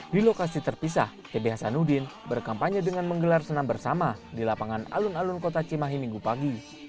di lokasi terpisah tb hasanuddin berkampanye dengan menggelar senam bersama di lapangan alun alun kota cimahi minggu pagi